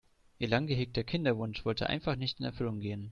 Ihr lang gehegter Kinderwunsch wollte einfach nicht in Erfüllung gehen.